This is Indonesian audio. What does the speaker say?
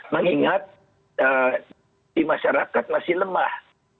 mengingat di masyarakat masih lemah